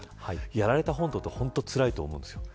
やられた方にとっては本当につらいと思うんですよ。